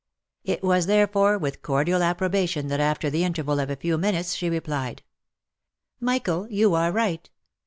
It was therefore with cordial appro bation that after the interval of a few moments, she replied, " Michael, you are right.